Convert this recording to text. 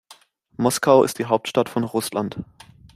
Moskau ist die Hauptstadt von Russland.